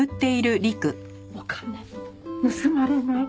お金盗まれない？